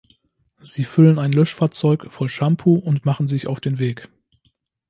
Sie füllen ein Löschfahrzeug voll Shampoo und machen sich auf den Weg.